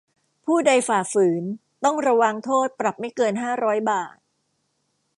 ผู้ใดฝ่าฝืน ต้องระวางโทษปรับไม่เกินห้าร้อยบาท